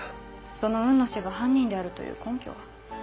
その雲野が犯人であるという根拠は？